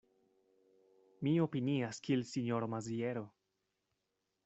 Mi opinias kiel sinjoro Maziero.